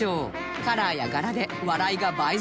カラーや柄で笑いが倍増するかも